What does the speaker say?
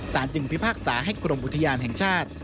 จึงพิพากษาให้กรมอุทยานแห่งชาติ